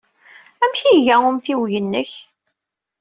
Amek ay iga umtiweg-nnek?